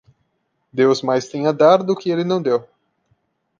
Deus tem mais a dar do que ele não deu.